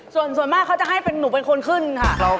ส่วนมากเขาจะให้หนูเป็นคนขึ้นค่ะ